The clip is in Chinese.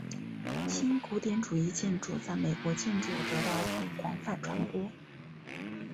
新古典主义建筑在美国建筑得到广泛传播。